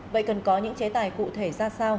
vậy cần có những chế tài cụ thể ra sao